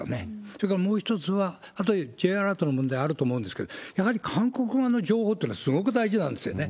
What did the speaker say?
それからもう一つは、あとでＪアラートの問題あると思うんですけど、やはり韓国側の情報っていうのはすごく大事なんですよね。